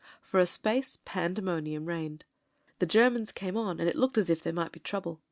For a space pandemonium reigned. The Germans came on, and it looked as if there might be trouble.